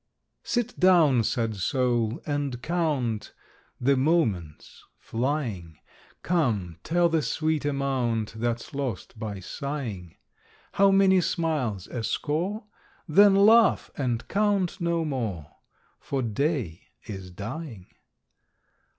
Sit down, sad soul, and count The moments flying: Come, tell the sweet amount That's lost by sighing! How many smiles a score? Then laugh, and count no more; For day is dying.